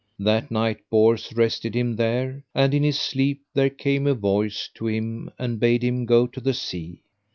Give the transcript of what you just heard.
That night Bors rested him there; and in his sleep there came a voice to him and bade him go to the sea.